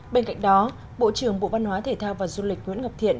bên cạnh đó bộ trưởng bộ văn hóa thể thao và du lịch nguyễn ngọc thiện